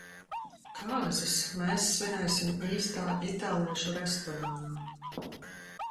Kāzas mēs svinēsim īstā itāliešu restorānā.